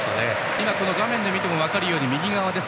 今、画面で見ても分かるように右側です。